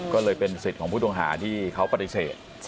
ก็เลยเป็นสิทธิ์ของผู้ต้องหาที่เขาปฏิเสธ